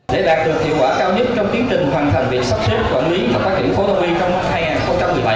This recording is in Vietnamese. để đạt được hiệu quả cao nhất trong tiến trình hoàn thành việc sắp xếp quản lý